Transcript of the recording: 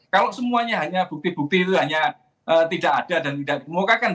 kalau semuanya hanya bukti bukti itu hanya tidak ada dan tidak dimukakan